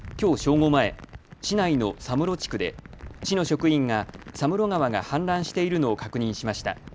午前、市内の佐室地区で市の職員が佐室川が氾濫しているのを確認しました。